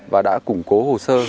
và đã củng cố hồ sơ